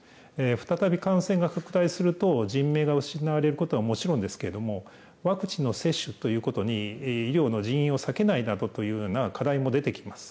再び感染が拡大すると、人命が失われることはもちろんですけれども、ワクチンの接種ということに、医療の人員を割けないなどというような課題も出てきます。